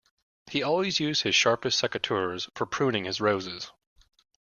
He always used his sharpest secateurs for pruning his roses